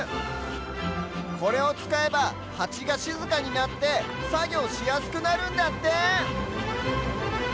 これをつかえばハチがしずかになってさぎょうしやすくなるんだって！